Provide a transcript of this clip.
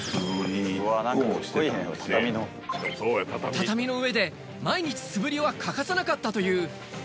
畳の上で毎日、素振りは欠かさなかったという。